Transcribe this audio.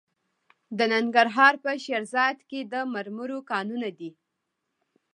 د ننګرهار په شیرزاد کې د مرمرو کانونه دي.